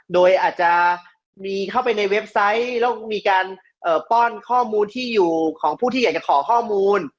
โดยอาจจะมีเข้าไปในเว็บไซต์แล้วมีการป้อนข้อมูลที่อยู่ของผู้ที่อยากจะขอข้อมูล